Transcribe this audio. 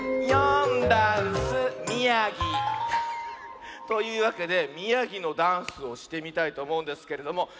「よんだんす」「みやぎ」！というわけでみやぎのダンスをしてみたいとおもうんですけれども。